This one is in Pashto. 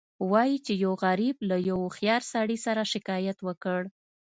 وایي چې یو غریب له یو هوښیار سړي سره شکایت وکړ.